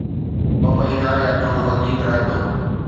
ٻه مهينا يا ٿورو وڌيڪ رهندو.